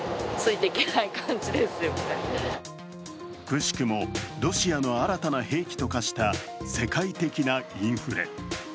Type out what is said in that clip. くしくもロシアの新たな兵器と化した世界的なインフレ。